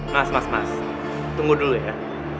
mas mas mas tunggu dulu ya